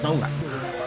tau ga seblek emak lu